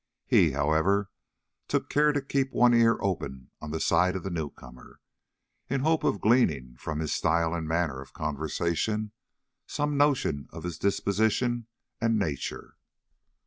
He, however, took care to keep one ear open on the side of the new comer, in the hope of gleaning from his style and manner of conversation some notion of his disposition and nature.